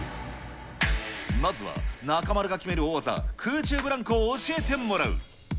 まずは中丸が決める大技、空中ブランコを教えてもらう。